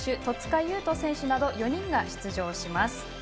戸塚優斗選手など４人が出場します。